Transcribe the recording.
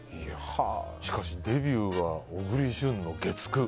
しかし、デビューが小栗旬の月９。